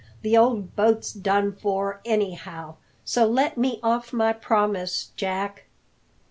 The old boat's done for, anyhow; so let me off my promise, Jack."